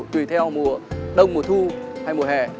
tùy theo mùa đông mùa thu hay mùa hè